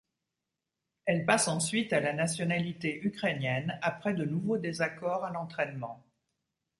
Elle passe ensuite à la nationalité ukrainienne après de nouveaux désaccords à l'entraînement.